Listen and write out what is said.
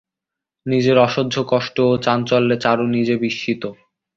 নিজের অসহ্য কষ্ট ও চাঞ্চল্যে চারু নিজে বিস্মিত।